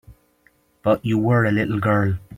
But you were a little girl.